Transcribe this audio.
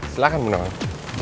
silahkan bu nawang